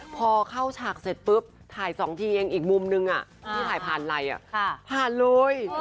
พอเข้าฉากเสร็จปุ๊บถ่าย๒ทีเองอีกมุมนึงที่ถ่ายผ่านไลน์ผ่านเลย